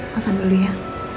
makan dulu ya